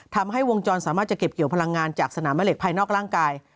ทำให้วงจรสามารถจะเก็บเกี่ยวพลังงานจากสนามแม่เหล็กภายนอกร่างกาย